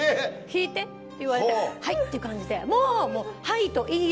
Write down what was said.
「弾いて」って言われて「はい」っていう感じでもう。